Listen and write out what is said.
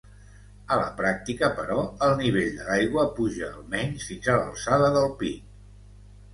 A la pràctica, però, el nivell de l'aigua puja almenys fins a l'alçada del pit.